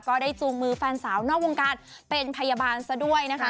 จูงมือแฟนสาวนอกวงการเป็นพยาบาลซะด้วยนะคะ